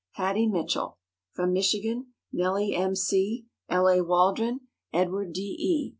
Hattie Mitchell; from Michigan Nellie M. C., L. A. Waldron, Edward D. E.